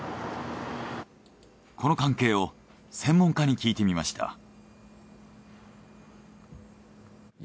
この関係を専門家に聞いてみました。